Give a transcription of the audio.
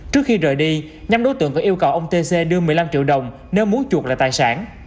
trước khi rời đi nhắm đối tượng có yêu cầu ông t c đưa một mươi năm triệu đồng nếu muốn chuột lại tài sản